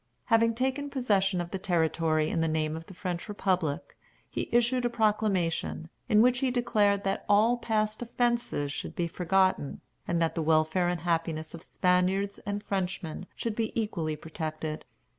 Having taken possession of the territory in the name of the French republic, he issued a proclamation, in which he declared that all past offences should be forgotten, and that the welfare and happiness of Spaniards and Frenchmen should be equally protected.